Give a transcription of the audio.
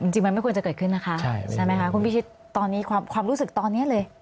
จริงมันไม่ควรจะเกิดขึ้นนะคะใช่ไหมคะคุณพิชิตตอนนี้ความรู้สึกตอนนี้เลย